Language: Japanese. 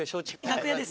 楽屋です。